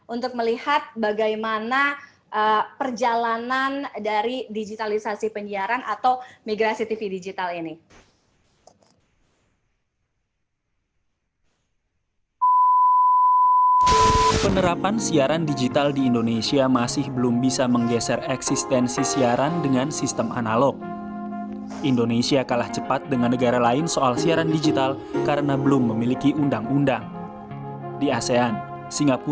untuk melihat bagaimana perjalanan dari digitalisasi penyiaran atau migrasi tv digital ini